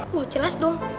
wah jelas dong